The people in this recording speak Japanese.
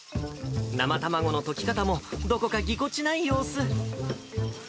生卵のとき方も、どこかぎこちない様子。